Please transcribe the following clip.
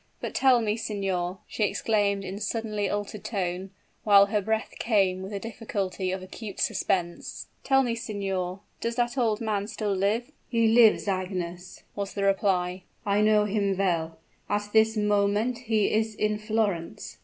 But tell me, signor," she exclaimed, in suddenly altered tone, while her breath came with the difficulty of acute suspense, "tell me, signor, does that old man still live?" "He lives, Agnes," was the reply. "I know him well; at this moment he is in Florence!"